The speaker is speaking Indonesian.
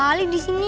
ada kali di sini